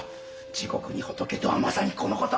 「地獄に仏」とはまさにこのこと。